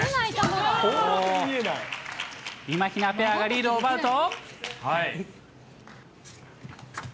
みまひなペアがリードを奪うと。